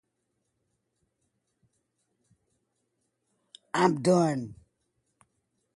He served as mayor of Fort Wayne for three terms after being reelected twice.